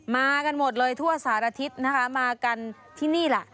มากันหมดเลยทั่วสารทิศนะคะมากันที่นี่ล่ะ